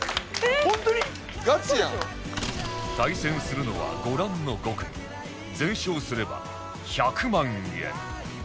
対戦するのはご覧の５組全勝すれば１００万円